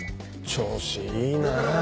調子いいな。